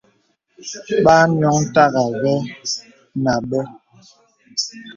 Bà ànioŋ tàgā və̂ nà àbə.